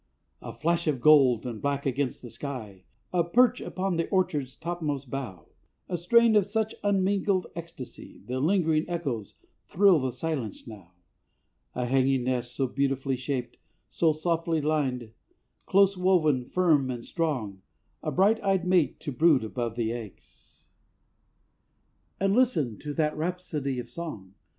A flash of gold and black against the sky, A perch upon the orchard's topmost bough, A strain of such unmingled ecstasy, The lingering echoes thrill the silence now. A hanging nest so beautifully shaped, So softly lined, close woven, firm and strong, A bright eyed mate to brood above the eggs, And listen to that rhapsody of song.